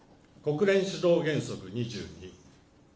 国連指導原則２２。